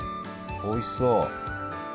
おいしそう。